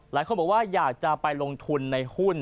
หลายคนบอกว่าอยากจะไปลงทุนในหุ้น